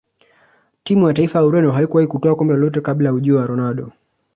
timu ya taifa ya ureno haikuwahi kutwaa kombe lolote kabla ya ujio wa ronaldo